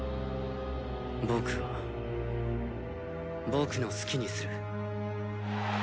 僕は僕の好きにする。